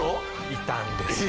いたんですよ。